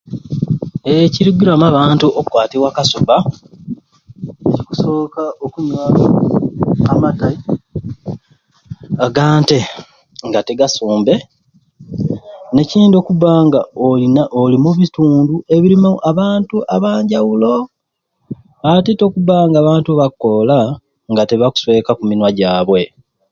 Eeh ekirigiramu abantu okukwatibwa akasubba basoka okunywa amatai agante nga tigasumbe nekindi okubanga oyina oli mubitundu ebirimu abantu abanjawulo ate tte okubanga abantu bakoola nga tibakusweeka kuminywa jabwe.